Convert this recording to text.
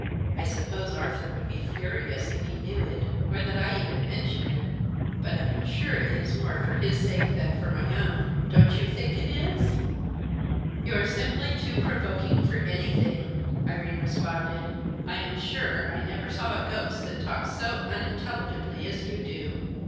"I suppose Arthur would be furious if he knew it, or that I even mentioned it, but I am sure it is more for his sake than for my own. Don't you think that it is?" "You are simply too provoking for anything," Irene responded. "I am sure I never saw a ghost that talked so unintelligibly as you do.